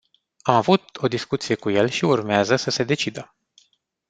Am avut o discuție cu el și urmează să se decidă.